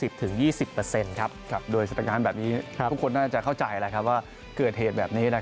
โดยสถานการณ์แบบนี้ทุกคนน่าจะเข้าใจว่าเกิดเหตุแบบนี้